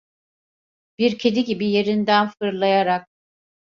Bir kedi gibi yerinden fırlayarak: